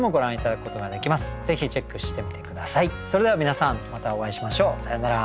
それでは皆さんまたお会いしましょうさようなら。